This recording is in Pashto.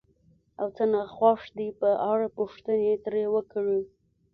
او څه ناخوښ دي په اړه پوښتنې ترې وکړئ،